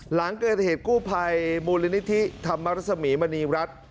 หลังเกิดเหตุกู้ภัยมูลนิธิธรรมรสมีมณีรัฐ